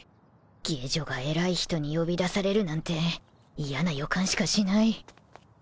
下女が偉い人に呼び出されるなんて嫌な予感しかしない